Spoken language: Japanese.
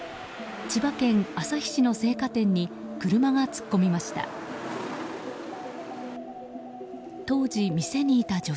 千葉県旭市の青果店に車が突っ込みました。